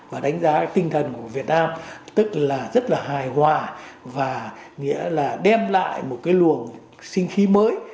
và đánh giá tinh thần của việt nam tức là rất là hài hòa và nghĩa là đem lại một cái luồng sinh khí mới